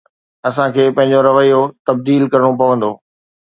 اسان کي پنهنجو رويو تبديل ڪرڻو پوندو